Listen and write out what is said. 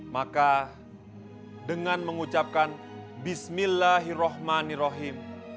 maka dengan mengucapkan bismillahirrahmanirrahim